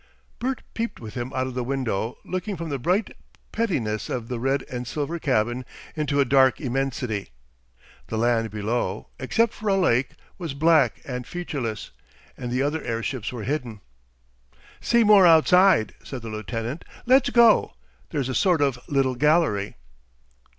Bert peeped with him out of the window, looking from the bright pettiness of the red and silver cabin into a dark immensity. The land below, except for a lake, was black and featureless, and the other airships were hidden. "See more outside," said the lieutenant. "Let's go! There's a sort of little gallery."